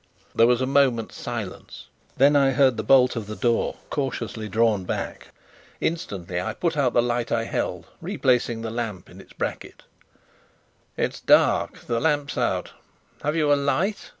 There was a moment's silence. Then I heard the bolt of the door cautiously drawn back. Instantly I put out the light I held, replacing the lamp in the bracket. "It's dark the lamp's out. Have you a light?"